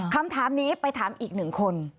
คำถามนี้ไปถามอีกหนึ่งคน